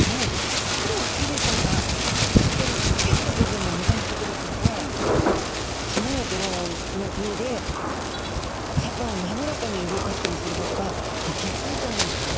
ふだんカレイちゃんが海底にくっつけてる部分の無眼側ですので砂や泥の上で体を滑らかに動かしたりすることができやすいと思うんですね。